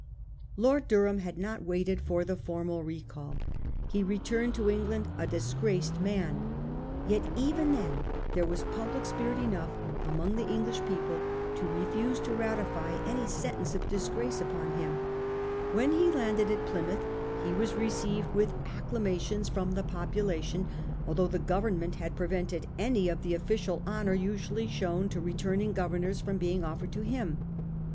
Lord Durham had not waited for the formal recall. He returned to England a disgraced man. Yet even then there was public spirit enough among the English people to refuse to ratify any sentence of disgrace upon him. "When he landed at Plymouth, he was received with acclamations by the population, although the Government had prevented any of the official honour usually shown to returning governors from being offered to him. Mr.